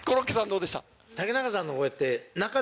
どうでした？